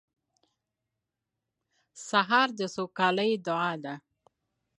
سهار د سوکالۍ دعا ده.